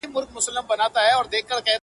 مُلا جانه راته وایه په کتاب کي څه راغلي.!